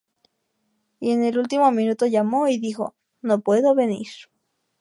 Y en el último minuto llamó y dijo: 'No puedo venir'".